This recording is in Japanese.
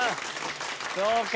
そうか。